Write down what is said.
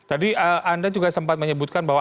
tadi anda juga sempat menyebutkan bahwa